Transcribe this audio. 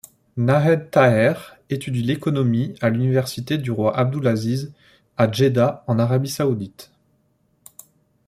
Nahed Taher étudie l'économie à l'université du roi Abdulaziz, à Djeddah, en Arabie saoudite.